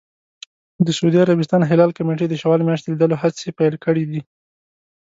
د سعودي عربستان هلال کمېټې د شوال میاشتې لیدلو هڅې پیل کړې دي.